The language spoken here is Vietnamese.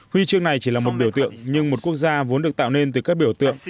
huy chương này chỉ là một biểu tượng nhưng một quốc gia vốn được tạo nên từ các biểu tượng